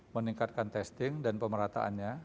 meningkatkan testing dan pemerataannya